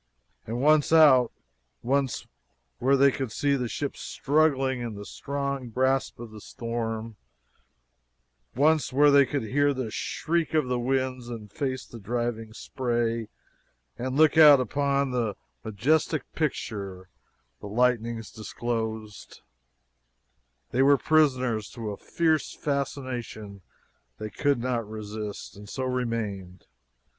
And once out once where they could see the ship struggling in the strong grasp of the storm once where they could hear the shriek of the winds and face the driving spray and look out upon the majestic picture the lightnings disclosed, they were prisoners to a fierce fascination they could not resist, and so remained.